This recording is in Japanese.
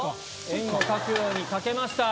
円を描くようにかけました。